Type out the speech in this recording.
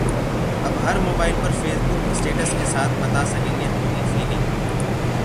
अब हर मोबाइल पर फेसबुक स्टेटस के साथ बता सकेंगे अपनी 'फीलिंग'